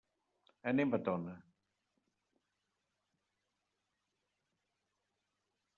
Anem a Tona.